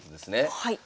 はい。